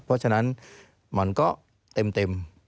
เพราะฉะนั้นมันก็เต็ม